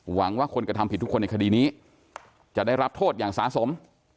หวังว่าคนกระทำผิดทุกคนในคดีนี้จะได้รับโทษอย่างสะสม